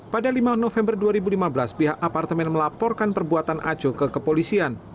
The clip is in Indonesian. pada lima november dua ribu lima belas pihak apartemen melaporkan perbuatan aco ke kepolisian